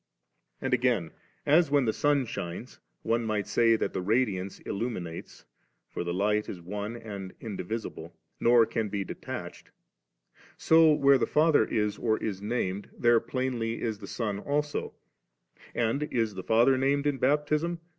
And again as when the sun shines, one might say that the radiance illuminates, for the light is one and indivisible, nor can be detached, so where the Father b or is named, there (Aamly is the Son also ; and is the Father named in Baptism